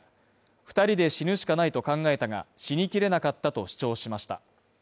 ２人で死ぬしかないと考えたが死にきれなかったと主張しました。